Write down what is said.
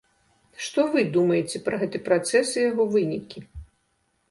Што вы думаеце пра гэты працэс і яго вынікі?